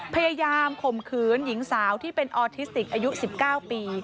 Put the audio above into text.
ข่มขืนหญิงสาวที่เป็นออทิสติกอายุ๑๙ปี